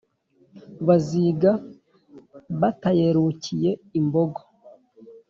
baziga batayerukiye i mbogo,